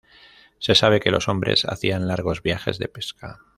Se sabe que los hombres hacían largos viajes de pesca.